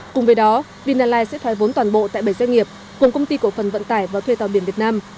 cùng với đó vinalize sẽ thoái vốn toàn bộ tại bảy doanh nghiệp gồm công ty cổ phần vận tải và thuê tàu biển việt nam